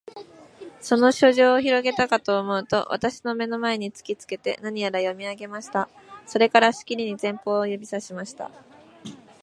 その書状をひろげたかとおもうと、私の眼の前に突きつけて、何やら読み上げました。それから、しきりに前方を指さしました。